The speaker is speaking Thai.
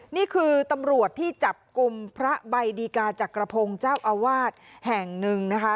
นี่คือตำรวจที่จับกลุ่มพระใบดีกาจักรพงศ์เจ้าอาวาสแห่งหนึ่งนะคะ